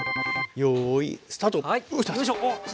よいスタート。